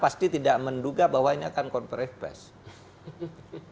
pasti tidak menduga bahwa ini akan conferensi